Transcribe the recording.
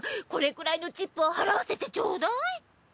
これくらいのチップは払わせてちょうだい。